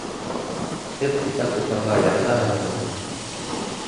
Һеҙ китап уҡырға яратаһығыҙмы?